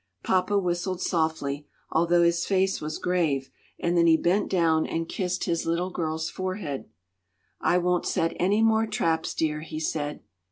Papa whistled softly, although his face was grave; and then he bent down and kissed his little girl's forehead. "I won't set any more traps, dear," he said.